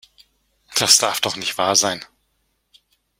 Das darf doch nicht wahr sein.